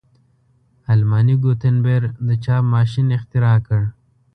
آلماني ګونتبر د چاپ ماشین اختراع کړ.